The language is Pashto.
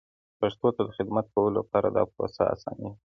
پښتو ته د خدمت کولو لپاره دا پروسه اسانېږي.